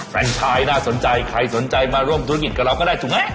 แฟนชายน่าสนใจใครสนใจมาร่วมธุรกิจกับเราก็ได้ถูกไหม